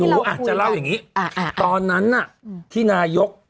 หนูอาจจะเล่าอย่างนี้ตอนนั้นน่ะที่นายก